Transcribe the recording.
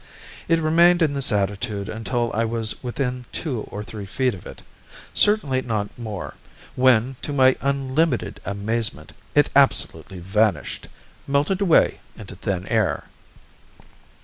It remained in this attitude until I was within two or three feet of it certainly not more when, to my unlimited amazement, it absolutely vanished melted away into thin air.